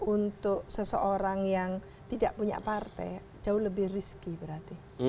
untuk seseorang yang tidak punya partai jauh lebih rizky berarti